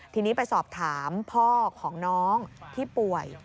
ทีนี้ไปสอบถามพ่อของน้องที่ป่วย